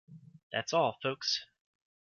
That's all Folks!